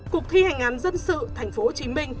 cục thi hành án dân sự tp hcm